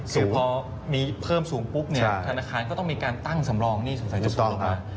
คือพอมีเพิ่มสูงปุ๊บเนี่ยธนาคารก็ต้องมีการตั้งสำรองหนี้สงสัยจะส่งลงมา